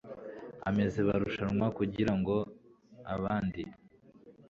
ameza barushanwa, kugira ngo abandi